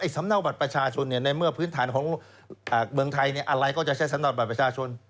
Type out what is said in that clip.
สำเนาบัตรประชาชนในเมื่อพื้นฐานของเมืองไทยอะไรก็จะใช้สำหรับบัตรประชาชน